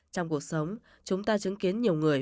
trong cuộc sống chúng ta chứng kiến nhiều người